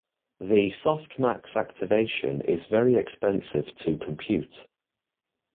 The softmax activation is very expensive to compute.